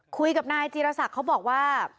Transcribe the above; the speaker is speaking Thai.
คุยกับนายจีรศักดิ์เขาบอกว่า